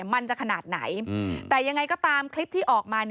มันจะขนาดไหนแต่ยังไงก็ตามคลิปที่ออกมา